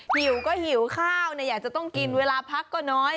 หิวก็หิวข้าวอยากจะต้องกินเวลาพักก็น้อย